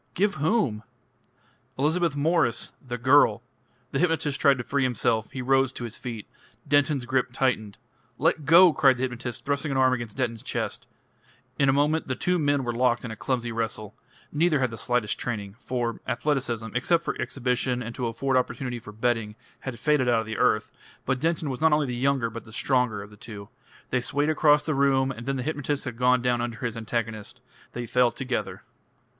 "Give whom?" "Elizabeth Mwres the girl " The hypnotist tried to free himself; he rose to his feet. Denton's grip tightened. "Let go!" cried the hypnotist, thrusting an arm against Denton's chest. In a moment the two men were locked in a clumsy wrestle. Neither had the slightest training for athleticism, except for exhibition and to afford opportunity for betting, had faded out of the earth but Denton was not only the younger but the stronger of the two. They swayed across the room, and then the hypnotist had gone down under his antagonist. They fell together....